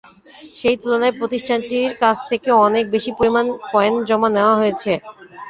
সেই তুলনায় প্রতিষ্ঠানটির কাছ থেকে অনেক বেশি পরিমাণ কয়েন জমা নেওয়া হয়েছে।